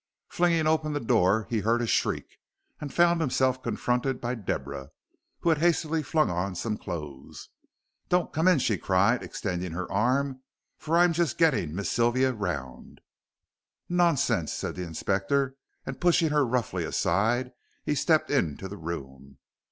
Flinging open the door he heard a shriek, and found himself confronted by Deborah, who had hastily flung on some clothes. "Don't come in," she cried, extending her arm, "for I'm just getting Miss Sylvia round." "Nonsense," said the Inspector, and pushing her roughly aside he stepped into the room.